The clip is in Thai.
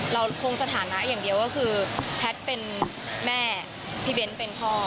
เราคงสถานะอย่างเดียวก็คือแพทย์เป็นแม่พี่เบ้นเป็นพ่อ